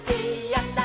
「やった！